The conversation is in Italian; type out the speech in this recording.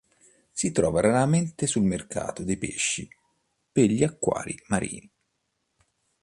Si trova raramente sul mercato dei pesci per gli acquari marini.